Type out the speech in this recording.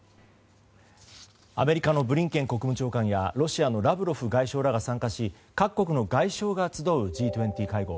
アメリカのブリンケン国務長官やロシアのラブロフ外相らが参加し各国の外相が集うＧ２０会合。